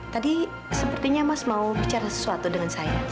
tadi sepertinya mas mau bicara sesuatu dengan saya